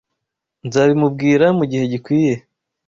Nzabimubwira mugihe gikwiye